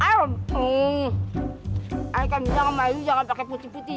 ibu aku jangan pakai putih putih